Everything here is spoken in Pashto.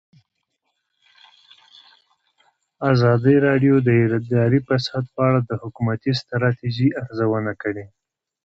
ازادي راډیو د اداري فساد په اړه د حکومتي ستراتیژۍ ارزونه کړې.